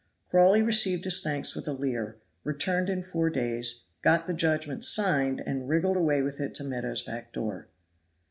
Crawley received his thanks with a leer, returned in four days, got the judgment signed, and wriggled away with it to Meadows' back door.